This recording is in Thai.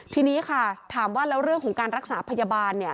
ทีนี้ค่ะถามว่าแล้วเรื่องของการรักษาพยาบาลเนี่ย